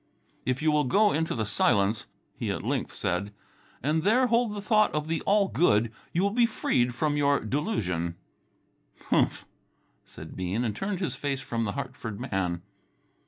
"If you will go into the silence," he at length said, "and there hold the thought of the all good, you will be freed from your delusion." "Humph!" said Bean and turned his face from the Hartford man.